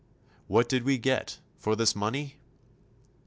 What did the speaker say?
What did we get for this money?